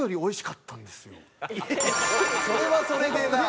それはそれでな。